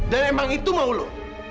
dan emang itu mau lo